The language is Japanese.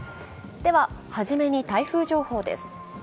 初めに台風情報です。